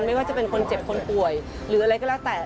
ไม่ว่าจะเป็นคนเจ็บคนป่วยหรืออะไรก็แล้วแต่